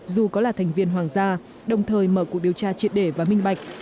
dù có là thành viên hoàng gia đồng thời mở cuộc điều tra triệt để và minh bạch